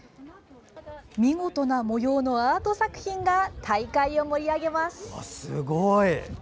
見事な模様のアート作品が大会を盛り上げます。